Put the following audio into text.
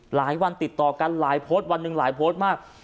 หลายวันติดต่อกันหลายโพสต์วันหนึ่งหลายโพสต์มาก